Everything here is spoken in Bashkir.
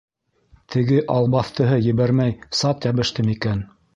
Теге албаҫтыһы ебәрмәй сат йәбеште микән?